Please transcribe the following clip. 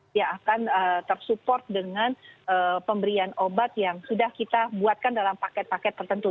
dia akan tersupport dengan pemberian obat yang sudah kita buatkan dalam paket paket tertentu